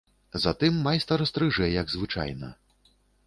Затым майстар стрыжэ, як звычайна.